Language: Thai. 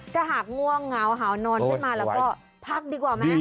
ถ้าหากง่วงเหงาเห่านอนขึ้นมาแล้วก็พักดีกว่าไหม